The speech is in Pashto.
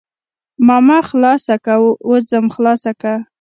ماما خلاصه که وځم خلاصه که.